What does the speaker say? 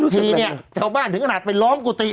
ทีเนี่ยชาวบ้านถึงขนาดไปล้อมกุฏิ